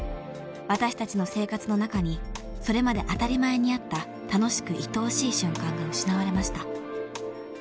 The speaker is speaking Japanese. ［私たちの生活の中にそれまで当たり前にあった楽しくいとおしい瞬間が失われました］